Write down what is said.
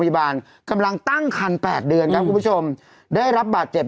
พยาบาลกำลังตั้งคันแปดเดือนครับคุณผู้ชมได้รับบาดเจ็บ